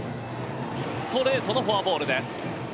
ストレートのフォアボールです。